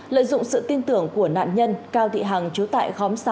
lợi dụng sự tin tưởng của nạn nhân cao thị hằng chú tại khóm sáu